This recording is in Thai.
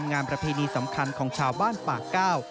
งานประเพณีสำคัญของชาวบ้านปากเก้า